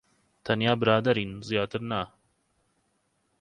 تەنیا برادەرین. زیاتر نا.